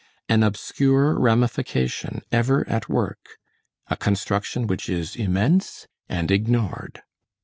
An obscure ramification ever at work; a construction which is immense and ignored.